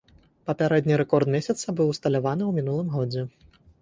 Папярэдні рэкорд месяца быў усталяваны ў мінулым годзе.